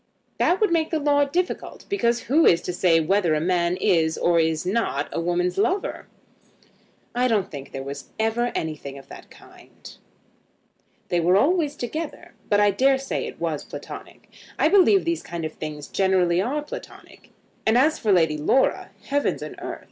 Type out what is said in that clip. "That would make the law difficult, because who is to say whether a man is or is not a woman's lover?" "I don't think there was ever anything of that kind." "They were always together, but I dare say it was Platonic. I believe these kind of things generally are Platonic. And as for Lady Laura; heavens and earth!